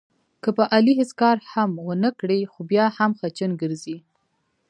که په علي هېڅ کار هم ونه کړې، خو بیا هم خچن ګرځي.